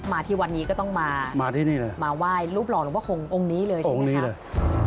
มาที่วันนี้ก็ต้องมามาไวรูปร่องหลวงพ่อคงองนี้เลยใช่ไหมครับ